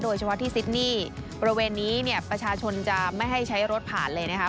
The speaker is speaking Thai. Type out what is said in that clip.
โดยเฉพาะที่ซิดนี่บริเวณนี้เนี่ยประชาชนจะไม่ให้ใช้รถผ่านเลยนะคะ